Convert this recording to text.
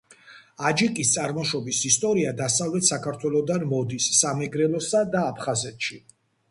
აჯიკის წარმოშობის ისტორია დასავლეთ საქართველოდან მოდის, სამეგრელოსა და აფხაზეთში.